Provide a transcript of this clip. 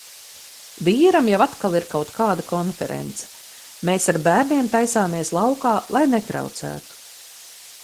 Vīram jau atkal ir kaut kāda konference, mēs ar bērniem taisāmies laukā, lai netraucētu.